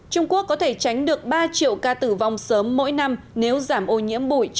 trung quốc có thể tránh được ba triệu ca tử vong sớm mỗi năm nếu giảm ô nhiễm bụi